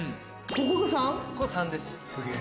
ここ３階です。